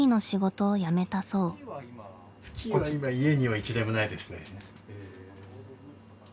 スキーは今家には一台もないですね。